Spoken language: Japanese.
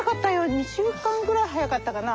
２週間ぐらい早かったかな。